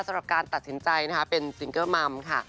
สำหรับการตัดสินใจนะคะเป็นซิงเกิลมัมค่ะ